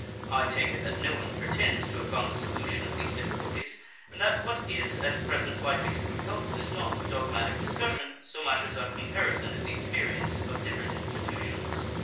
I take it that no one pretends to have found the solution of these difficulties, and that what is at present likely to prove helpful is not dogmatic discussion so much as a comparison of the experience of different institutions.